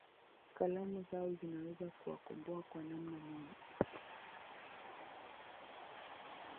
kalamu zao zinaweza kuwakomboa kwa namna moja